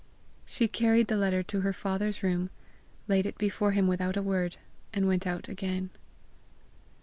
She carried the letter to her father's room, laid it before him without a word, and went out again.